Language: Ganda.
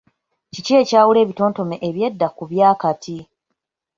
Kiki ekyawula ebitontome eby’edda ku bya kaakati?